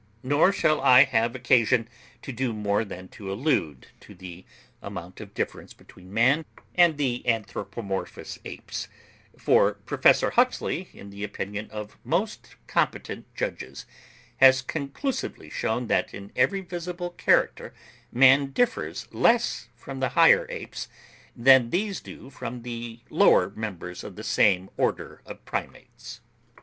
Nor shall I have occasion to do more than to allude to the amount of difference between man and the anthropomorphous apes; for Prof. Huxley, in the opinion of most competent judges, has conclusively shewn that in every visible character man differs less from the higher apes, than these do from the lower members of the same order of Primates.